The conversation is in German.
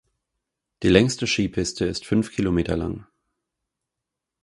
Die längste Skipiste ist fünf Kilometer lang.